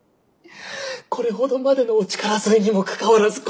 これほどまでのお力添えにもかかわらずこの体たらく。